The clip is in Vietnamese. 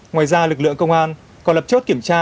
ngoài ra lực lượng công an còn lập chốt kiểm tra